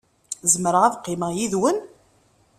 Zemreɣ ad qqimeɣ yid-wen?